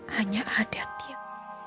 hanya ada tiap